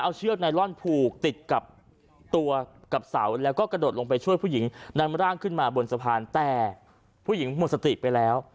เอาเชือกไนลอนผูกติดกับตัวกับเสาแล้วก็กระโดดลงไปช่วยผู้หญิงนำร่างขึ้นมาบนสะพานแต่ผู้หญิงหมดสติไปแล้ว